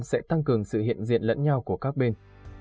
sẽ tăng cường sự hiện diện lẫn nhau của các bên